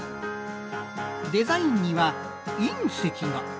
デザインには隕石が⁉